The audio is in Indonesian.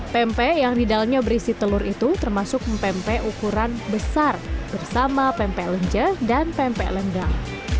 pempe yang didalanya berisi telur itu termasuk pempe ukuran besar bersama pempe lenje dan pempe lembang